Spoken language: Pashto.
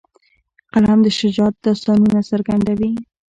قلم د شجاعت داستانونه څرګندوي